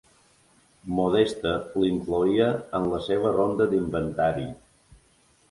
Modesta l'incloïa en la seva ronda d'inventari.